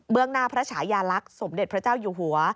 หน้าพระฉายาลักษณ์สมเด็จพระเจ้าอยู่หัว